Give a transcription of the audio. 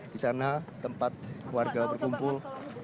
disana tempat warga berkumpul